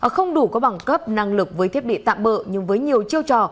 không đủ có bằng cấp năng lực với thiết bị tạm bợ nhưng với nhiều chiêu trò